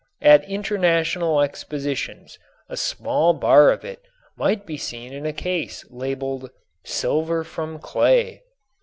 At international expositions a small bar of it might be seen in a case labeled "silver from clay."